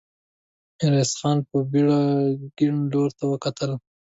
ميرويس خان په بېړه کيڼ لور ته وکتل.